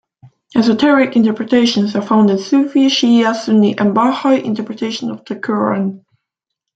Esoteric interpretations are found in Sufi, Shia, Sunni, and Baha'i interpretations of the Quran.